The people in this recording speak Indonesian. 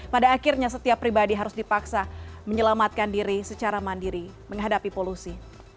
pada akhirnya setiap pribadi harus dipaksa menyelamatkan diri secara mandiri menghadapi polusi